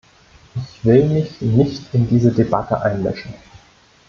Ich will mich nicht in diese Debatte einmischen.